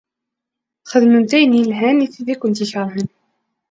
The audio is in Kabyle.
Xedmemt ayen ilhan i tid i kent-ikeṛhen.